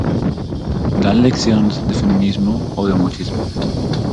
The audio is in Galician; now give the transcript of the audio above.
¿Dan leccións de feminismo ou de machismo?